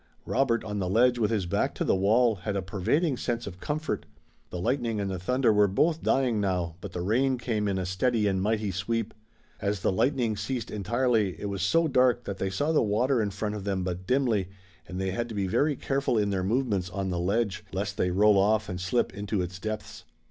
Robert on the ledge with his back to the wall had a pervading sense of comfort. The lightning and the thunder were both dying now, but the rain came in a steady and mighty sweep. As the lightning ceased entirely it was so dark that they saw the water in front of them but dimly, and they had to be very careful in their movements on the ledge, lest they roll off and slip into its depths.